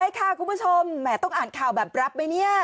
ใช่ค่ะคุณผู้ชมแหมต้องอ่านข่าวแบบรับไหมเนี่ย